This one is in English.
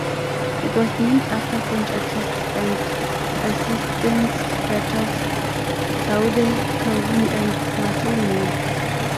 It was named after French artists and Resistance fighters Claude Cahun and Marcel Moore.